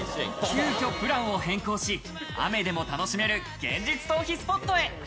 急きょプランを変更し、雨でも楽しめる現実逃避スポットへ。